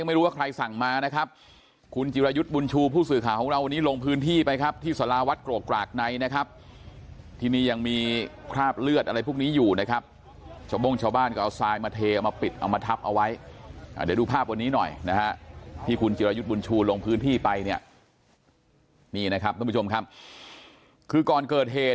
ไม่รู้ว่าใครสั่งมานะครับคุณจิรายุทธ์บุญชูผู้สื่อข่าวของเราวันนี้ลงพื้นที่ไปครับที่สาราวัดโกรกกรากในนะครับที่นี่ยังมีคราบเลือดอะไรพวกนี้อยู่นะครับชาวโบ้งชาวบ้านก็เอาทรายมาเทเอามาปิดเอามาทับเอาไว้เดี๋ยวดูภาพวันนี้หน่อยนะฮะที่คุณจิรายุทธ์บุญชูลงพื้นที่ไปเนี่ยนี่นะครับทุกผู้ชมครับคือก่อนเกิดเหตุ